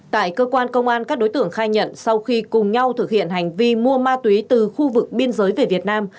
tại cơ quan công an các đối tượng khai nhận sau khi cùng nhau thực hiện hành vi mua ma túy từ khu vực biên giới về việt nam